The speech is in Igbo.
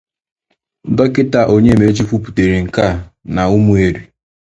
Dọkịta Onyemaechi kwupụtàra nke a n'Ụmụeri